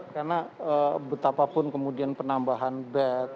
karena betapa pun kemudian penambahan bed